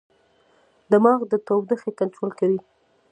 دماغ د تودوخې کنټرول کوي.